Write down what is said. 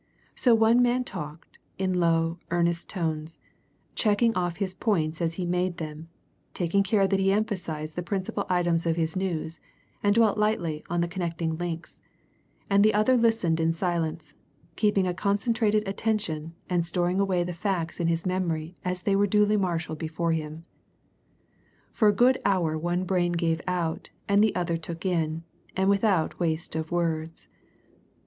So one man talked, in low, earnest tones, checking off his points as he made them, taking care that he emphasized the principal items of his news and dwelt lightly on the connecting links, and the other listened in silence, keeping a concentrated attention and storing away the facts in his memory as they were duly marshalled before him. For a good hour one brain gave out, and the other took in, and without waste of words.